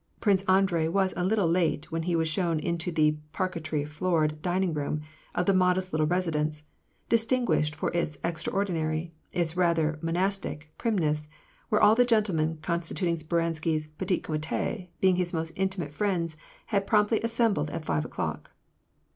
Pnnce Andrei was a little late when he was shown into the parquetry floored dining room of the modest little residence, — distinguished for its extraordinary, its rather monastic, primness, — where all the gentlemen constituting Speransky's petit comite, being his most intimate friends, had promptly assembled at five o'clock.